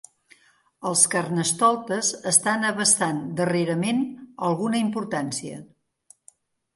Els carnestoltes estan abastant darrerament alguna importància.